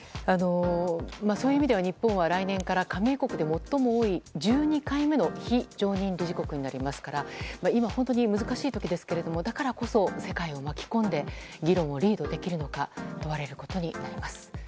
そういう意味では、日本は来年から加盟国で最も多い１２回目の非常任理事国になりますから今、本当に難しい時ですけどもだからこそ、世界を巻き込んで議論をリードできるのか問われることになります。